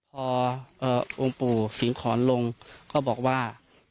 พอองค์ปู่สิงหอนลงก็บอกว่า